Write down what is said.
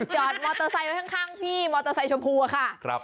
จอดมอเตอร์ไซค์ไว้ข้างพี่มอเตอร์ไซค์ชมพูอะค่ะ